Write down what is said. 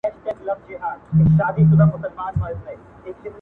د ورک کیدلو خوبونه وینې